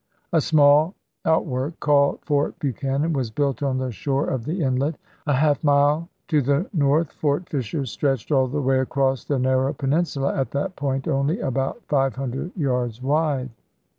A small out work called Fort Buchanan was built on the shore of the Inlet. A half mile to the north Fort Fisher stretched all the way across the narrow peninsula, at that point only about five hundred yards wide.